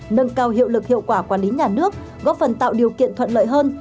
nâng cao hiệu lực hiệu quả quản lý nhà nước góp phần tạo điều kiện thuận lợi hơn